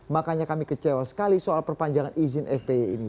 makanya kami kecewa sekali soal perpanjangan izin fpi ini